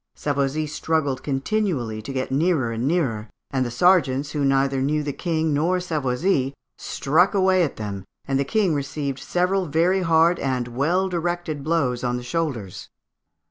Savoisy struggled continually to get nearer and nearer, and the sergeants, who neither knew the King nor Savoisy, struck away at them, and the King received several very hard and well directed blows on the shoulders.